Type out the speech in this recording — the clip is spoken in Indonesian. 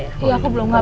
iya aku belum ngabarin